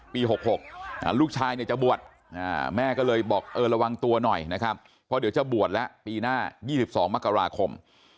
ปี๖๖ลูกชายเนี่ยจะบวชแม่ก็เลยบอกเออระวังตัวหน่อยนะครับเพราะเดี๋ยวจะบวชแล้วปีหน้า๒๒มกราคม